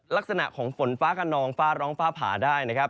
ลักษณะของฝนฟ้าขนองฟ้าร้องฟ้าผ่าได้นะครับ